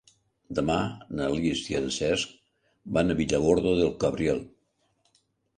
Demà na Lis i en Cesc van a Villargordo del Cabriel.